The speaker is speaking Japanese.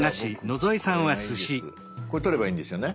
これ撮ればいいんですよね？